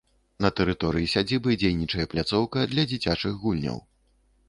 На тэрыторыі сядзібы дзейнічае пляцоўка для дзіцячых гульняў.